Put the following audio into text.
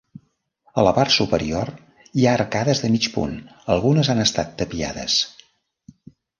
A la part superior hi ha arcades de mig punt, algunes han estat tapiades.